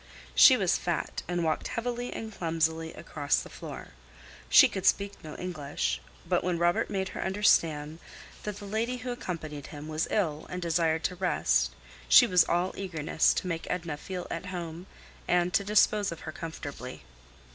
She was fat, and walked heavily and clumsily across the floor. She could speak no English, but when Robert made her understand that the lady who accompanied him was ill and desired to rest, she was all eagerness to make Edna feel at home and to dispose of her comfortably.